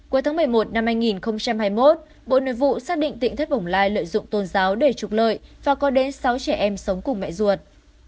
cuối tháng một mươi một năm hai nghìn hai mươi một bộ nội vụ xác định tịnh thất bồng lai lợi dụng tôn giáo để trục lợi và có đến sáu trẻ em sống cùng mẹ ruột